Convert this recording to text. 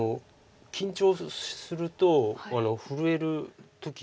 緊張すると震える時がある。